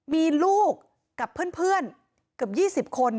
มีลูกกับเพื่อนเกือบ๒๐คน